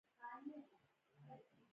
پښه شپږ ویشت هډوکي لري.